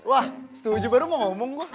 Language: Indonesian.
wah setuju baru mau ngomong kok